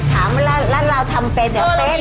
ถามแล้วเราทำเป็นหรือเป็น